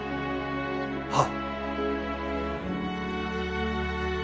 はっ！